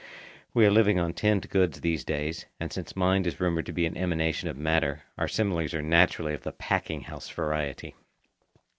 (We are living on tinned goods these days, and since mind is rumoured to be an emanation of matter, our similes are naturally of the packing house variety.)